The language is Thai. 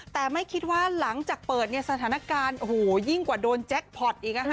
แต่ไม่คิดว่าหลังจากเปิดเนี่ยสถานการณ์โอ้โหยิ่งกว่าโดนแจ็คพอร์ตอีก